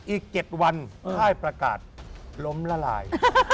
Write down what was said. อีก๗วันค่ายประกาศล้มละลาย